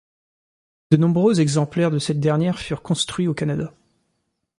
De nombreux exemplaires de cette dernière furent construits au Canada.